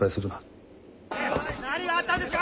・何があったんですか！